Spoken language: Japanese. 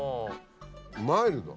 マイルド。